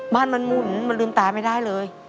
บ้านมันหมุนมันลืมตาไม่ได้เลย